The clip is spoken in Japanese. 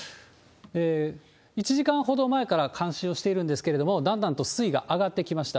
１時間ほど前から監視をしているんですけれども、だんだんと水位が上がってきました。